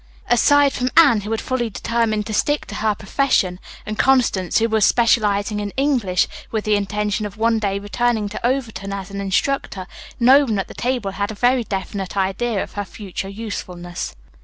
Aside from Anne, who had fully determined to stick to her profession, and Constance, who was specializing in English, with the intention of one day returning to Overton as an instructor, no one at the table had a very definite idea of her future usefulness.